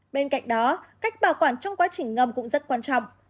bên cạnh đó cách bảo quản trong quá trình ngầm cũng rất quan trọng